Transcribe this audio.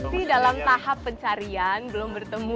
tapi dalam tahap pencarian belum bertemu